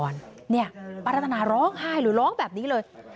ป้ารัตนาร้องไห้หรือร้องแบบนี้เลย